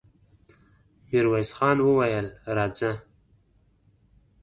ميرويس خان وويل: راځه!